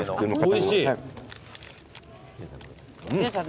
おいしい。